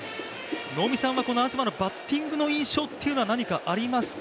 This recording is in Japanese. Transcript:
能見さんはこの東のバッティングの印象というのはありますか？